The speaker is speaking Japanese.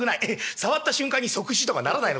触った瞬間に即死とかにならないの？